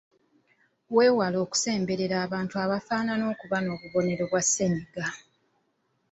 Weewale okusemberera abantu abafaanana okuba n’obubonero bwa ssennyiga.